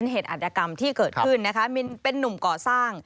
เหตุอัตยกรรมที่เกิดขึ้นนะคะเป็นนุ่มก่อสร้าง